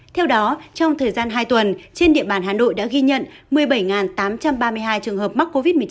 theo đó trong thời gian hai tuần trên địa bàn hà nội đã ghi nhận một mươi bảy tám trăm ba mươi hai trường hợp mắc covid một mươi chín